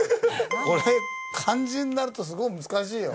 これ漢字になるとすごい難しいよ。